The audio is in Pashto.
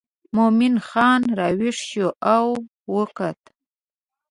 مومن خان راویښ شو او وکتل.